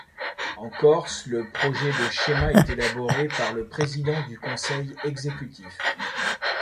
En Corse, le projet de schéma est élaboré par le président du conseil exécutif.